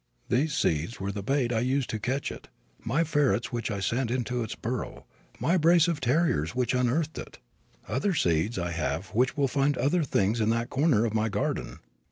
These seeds were the bait I used to catch it, my ferrets which I sent into its burrow, my brace of terriers which unearthed it.... Other seeds I have which will find other things in that corner of my garden.